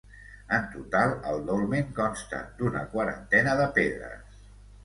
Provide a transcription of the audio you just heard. En total el dolmen consta d’una quarantena de pedres.